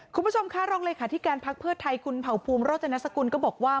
คุณผู้ชมค่ะรองเลขาธิการพักเพื่อไทยคุณเผ่าภูมิโรจนสกุลก็บอกว่า